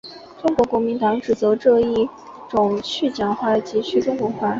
中国国民党指责这是一种去蒋化及去中国化。